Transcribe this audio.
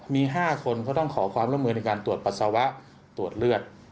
มี๕คนเขาต้องขอความร่วมมือในการตรวจปัสสาวะตรวจเลือด